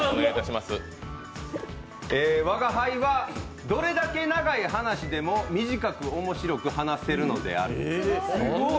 吾輩はどれだけ長い話でも短く面白く話せるのである。